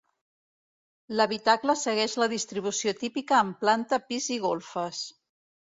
L'habitacle segueix la distribució típica amb planta, pis i golfes.